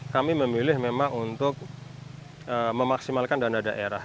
kami memilih memang untuk memaksimalkan dana daerah